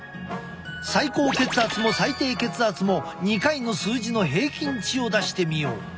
最高血圧も最低血圧も２回の数字の平均値を出してみよう。